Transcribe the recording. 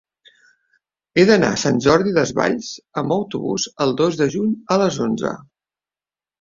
He d'anar a Sant Jordi Desvalls amb autobús el dos de juny a les onze.